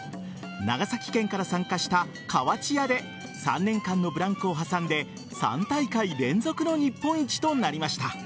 長崎県から参加した、かわち家で３年間のブランクを挟んで３大会連続の日本一となりました。